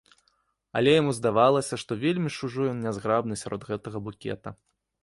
Але яму здавалася, што вельмі ж ужо ён нязграбны сярод гэтага букета.